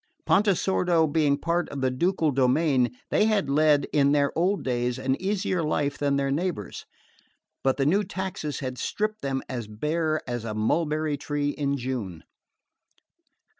Pontesordo being a part of the ducal domain, they had led in their old days an easier life than their neighbours; but the new taxes had stripped them as bare as a mulberry tree in June.